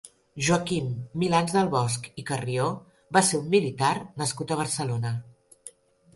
Joaquim Milans del Bosch i Carrió va ser un militar nascut a Barcelona.